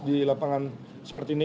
di lapangan seperti ini